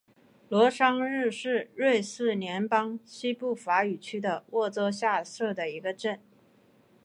罗桑日是瑞士联邦西部法语区的沃州下设的一个镇。